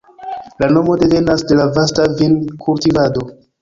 La nomo devenas de la vasta vin-kultivado.